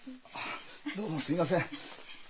あっどうもすいません。